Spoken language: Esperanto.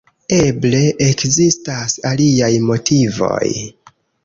Eble, ekzistas aliaj motivoj.